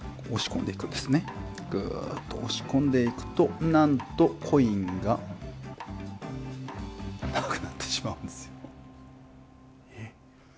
ぐと押し込んでいくとなんとコインがなくなってしまうんですよ。